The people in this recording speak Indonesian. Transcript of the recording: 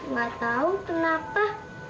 gak tau kenapa